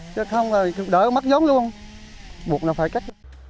chứ không là đỡ mất giống luôn buộc nó phải cách